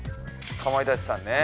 かまいたちさんね。